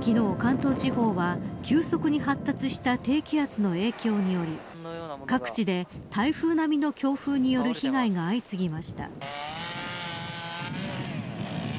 昨日、関東地方は急速に発達した低気圧の影響により各地で台風並みの強風による被害が相次ぎました。